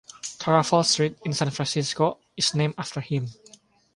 Taraval Street in San Francisco is named after him.